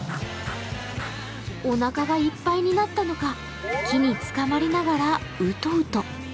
おなかがいっぱいになったのか木につかまりながらうとうと。